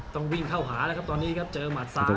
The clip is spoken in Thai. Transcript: ต้องวิ่งเข้าหาแล้วครับตอนนี้ครับเจอหมัดซ้าย